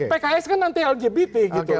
pks kan nanti lgbt gitu